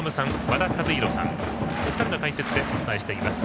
和田一浩さんのお二人の解説でお伝えをしています。